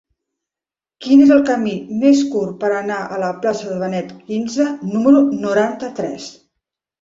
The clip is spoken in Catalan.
Quin és el camí més curt per anar a la plaça de Benet XV número noranta-tres?